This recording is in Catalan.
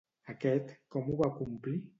Aquest com ho va complir?